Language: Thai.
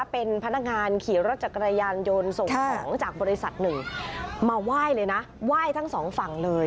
เป็นพนักงานขี่รถจักรยานยนต์ส่งของจากบริษัทหนึ่งมาไหว้เลยนะไหว้ทั้งสองฝั่งเลย